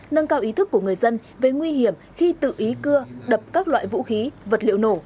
nâng cao ý thức của người dân về nguy hiểm khi tự ý cưa đập các loại vũ khí vật liệu nổ